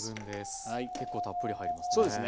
結構たっぷり入りますね。